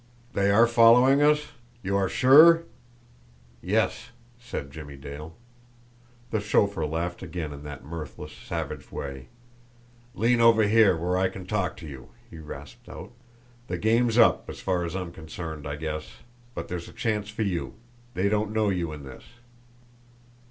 "They are following us? You are SURE?" "Yes," said Jimmie Dale. The chauffeur laughed again in that mirthless, savage way. "Lean over here, where I can talk to you!" he rasped out. "The game's up, as far as I am concerned, I guess! But there's a chance for you. They don't know you in this."